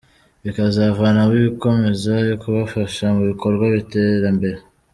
bikazavanamo ibikomeza kubafasha mu bikorwa by’iterambere.